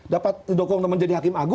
dapat didokong temen jadi hakim agung